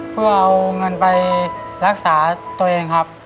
เพื่อเอาเงินไปรักษาตัวเองครับ